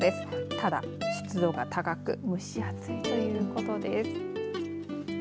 ただ湿度が高く蒸し暑いということです。